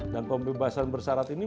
dan pembebasan bersyarat ini